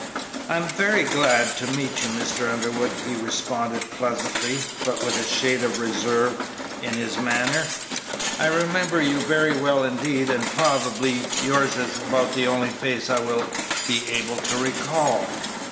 "I am very glad to meet you, Mr. Underwood," he responded, pleasantly, but with a shade of reserve in his manner; "I remember you very well, indeed, and probably yours is about the only face I will be able to recall."